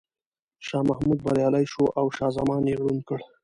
شاه محمود بریالی شو او شاه زمان یې ړوند کړ.